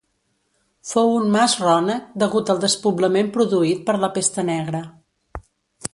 Fou un mas rònec degut el despoblament produït per la pesta negra.